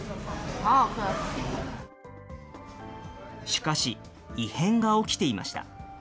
しかし、異変が起きていました。